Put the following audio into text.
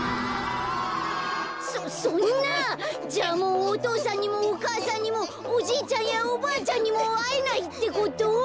そそんなじゃあもうお父さんにもお母さんにもおじいちゃんやおばあちゃんにもあえないってこと？